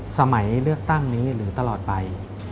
สมัยเลือกตั้งนี้หรือตลอดไป